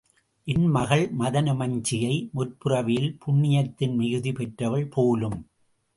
என் மகள் மதனமஞ்சிகை முற்பிறவியில் புண்ணியத்தின் மிகுதி பெற்றவள் போலும்.